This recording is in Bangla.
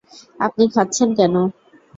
আপনি খাচ্ছেন কেন?